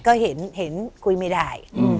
ก็เห็นคุยไม่ได้